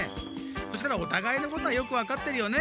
そしたらおたがいのことはよくわかってるよね？